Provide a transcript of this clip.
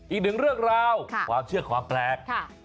อีกหนึ่งเรื่องราวความเชื่อความแปลก